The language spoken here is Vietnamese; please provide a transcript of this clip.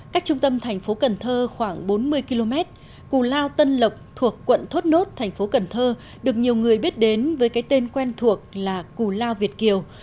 cách trung tâm thành phố cần thơ khoảng bốn mươi km cù lao tân lộc thuộc quận thốt nốt thành phố cần thơ được nhiều người biết đến với cái tên quen thuộc là cù lao việt kiều